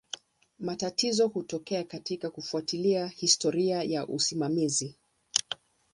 Matatizo hutokea katika kufuatilia historia ya usimamizi.